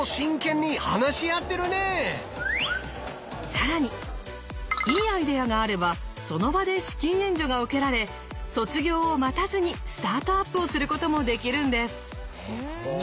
更にいいアイデアがあればその場で資金援助が受けられ卒業を待たずにスタートアップをすることもできるんです。